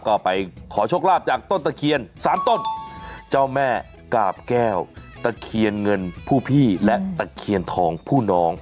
ก็ไปขอโชคลาภจากต้นตะเคียนสามต้นเจ้าแม่กาบแก้วตะเคียนเงินผู้พี่และตะเคียนทองผู้น้อง